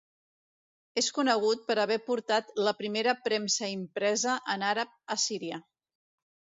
És conegut per haver portat la primera premsa impresa en àrab a Síria.